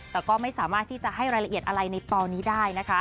แต่ก็ไม่สามารถที่จะให้รายละเอียดอะไรในตอนนี้ได้นะคะ